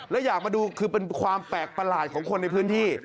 และอยากมาดูคือเป็นความแปลกประหลาดของคนในพื้นที่